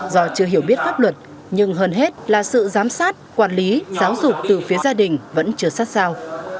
do chưa hiểu biết pháp luật nhưng hơn hết là sự giám sát quản lý giáo dục từ phía gia đình vẫn chưa sát sao